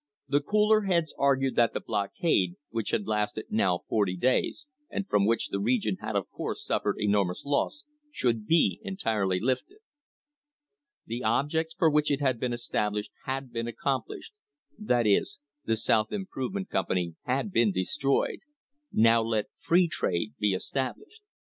The cooler heads argued that the blockade, which had lasted now forty days, and from which the region had of course suffered enormous loss, should be entirely lifted. The objects for which it had been established had been accomplished — that is, the South Improvement Company had been destroyed — now let free trade be estab lished.